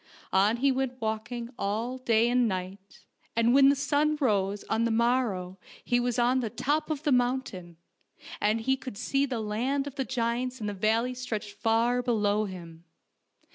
On he went walking all day and night, and when the sun rose on the morrow he was on the 106 FAIRY TALES top of the mountain, and he could see the land of the giants in the valley stretched far below him.